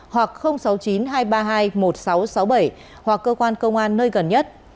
hoặc sáu mươi chín hai trăm ba mươi hai một nghìn sáu trăm sáu mươi bảy hoặc cơ quan công an nơi gần nhất